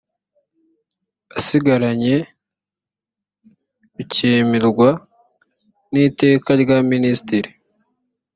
asigaranye bikemerwa n iteka rya minisitiri